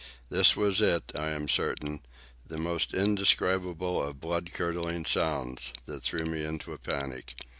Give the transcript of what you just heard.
This it was, I am certain,—the most indescribable of blood curdling sounds,—that threw me into a panic.